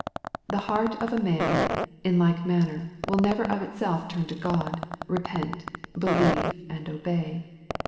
The heart of man, in like manner, will never of itself turn to God, repent, believe, and obey.